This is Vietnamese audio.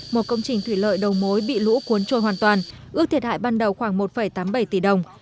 một công trình thủy lợi đầu mối bị lũ cuốn trôi hoàn toàn ước thiệt hại ban đầu khoảng một tám mươi bảy tỷ đồng